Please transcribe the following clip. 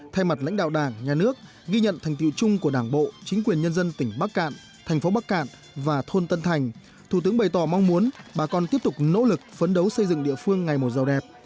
thay mặt lãnh đạo đảng nhà nước ghi nhận thành tiệu chung của đảng bộ chính quyền nhân dân tỉnh bắc cạn thành phố bắc cạn và thôn tân thành thủ tướng bày tỏ mong muốn bà con tiếp tục nỗ lực phấn đấu xây dựng địa phương ngày một giàu đẹp